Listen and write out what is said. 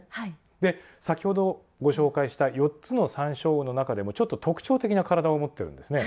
で先ほどご紹介した４つのサンショウウオの中でもちょっと特徴的な体を持ってるんですね。